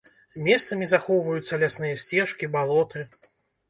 Месцамі захоўваюцца лясныя сцежкі, балоты.